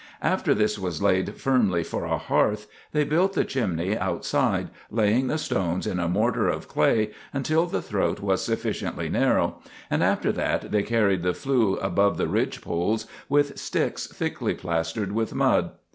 After this was laid firmly for a hearth, they built the chimney outside, laying the stones in a mortar of clay until the throat was sufficiently narrow; and after that they carried the flue above the ridge pole with sticks thickly plastered with mud.